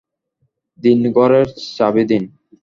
দিন, ঘরের চাবি দিন।